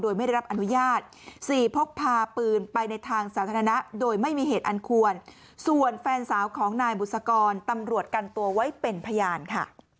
โดยไม่ได้รับอนุญาต